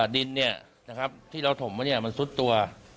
ดินที่เราถมไว้มันซุดตัว